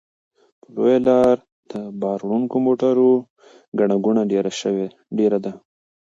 په لویه لاره د بار وړونکو موټرو ګڼه ګوڼه ډېره ده.